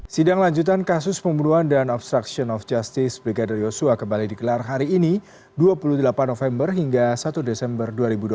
sidang lanjutan kasus pembunuhan dan obstruction of justice brigadir yosua kembali dikelar hari ini dua puluh delapan november hingga satu desember dua ribu dua puluh